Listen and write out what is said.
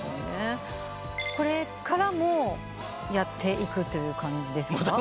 これからもやっていくという感じですか？